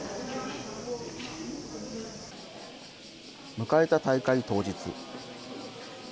迎えた大会当日。